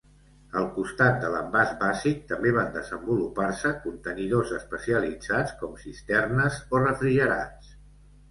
Al costat de l'envàs bàsic també van desenvolupar-se contenidors especialitzats com cisternes o refrigerats.